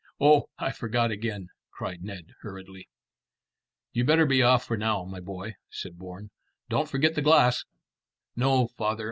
"Oh, I forgot again," cried Ned hurriedly. "You'd better be off up now, my boy," said Bourne. "Don't forget the glass." "No, father.